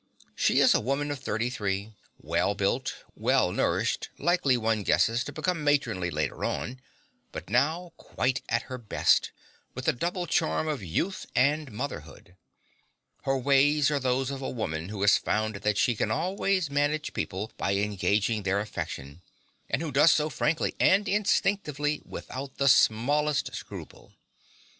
She is a woman of 33, well built, well nourished, likely, one guesses, to become matronly later on, but now quite at her best, with the double charm of youth and motherhood. Her ways are those of a woman who has found that she can always manage people by engaging their affection, and who does so frankly and instinctively without the smallest scruple.